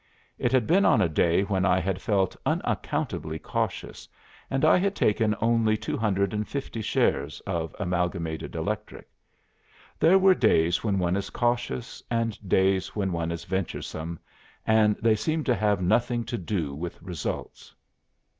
It had been on a day when I had felt unaccountably cautious, and I had taken only two hundred and fifty shares of Amalgamated Electric. There are days when one is cautious and days when one is venturesome; and they seem to have nothing to do with results."